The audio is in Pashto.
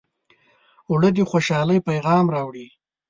اوړه د خوشحالۍ پیغام راوړي